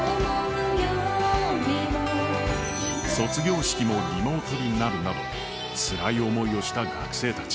卒業式もリモートになるなど、つらい思いをした学生たち。